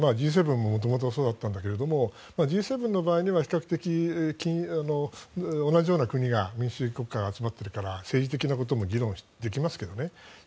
Ｇ７も元々そうだったんだけれどＧ７の場合には比較的同じような国が民主主義国家が集まっているから政治的なことも議論できますがね